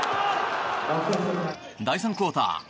第３クオーター。